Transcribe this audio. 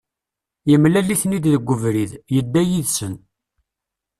Yemlal-iten-id deg ubrid, yedda yid-sen.